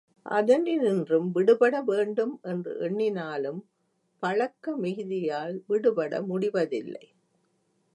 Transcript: அதனின்றும் விடுபட வேண்டும் என்று எண்ணினாலும் பழக்க மிகுதியால் விடுபட முடிவதில்லை.